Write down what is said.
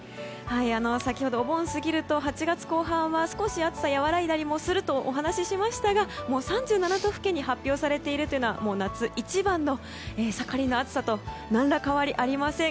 先ほど、お盆過ぎると８月後半は少し暑さやわらいだりするとお伝えしましたがもう、３７度付近で発表されているというのは夏一番の盛りの暑さと何ら変わりありません。